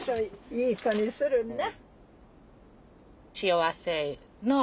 いい子にするんな。